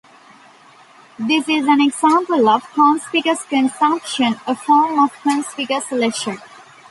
This is an example of "conspicuous consumption," a form of conspicuous leisure.